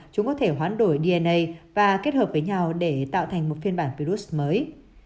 chúng có thể hoán đổi dna và kết hợp với nhau để tạo thành một phiên bản virus mới